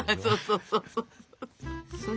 そうそうそう。